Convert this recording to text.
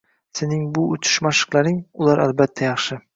Sening bu uchish mashqlaring — ular, albatta, yaxshi